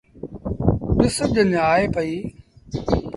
ڏس ڄڃ آئي پئيٚ۔